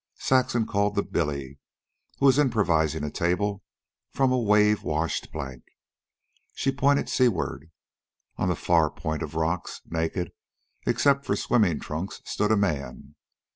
Saxon called to Billy, who was improvising a table from a wave washed plank. She pointed seaward. On the far point of rocks, naked except for swimming trunks, stood a man.